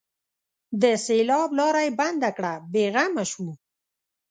د سېلاب لاره یې بنده کړه؛ بې غمه شو.